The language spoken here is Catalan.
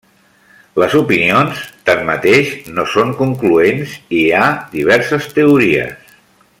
Les opinions, tanmateix, no són concloents i hi ha diverses teories.